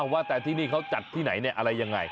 ว่าแต่ที่นี่เขาจัดที่ไหนอะไรยังไง